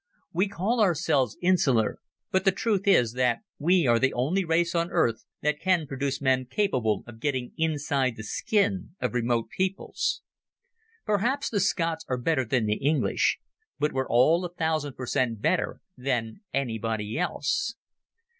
We call ourselves insular, but the truth is that we are the only race on earth that can produce men capable of getting inside the skin of remote peoples. Perhaps the Scots are better than the English, but we're all a thousand per cent better than anybody else.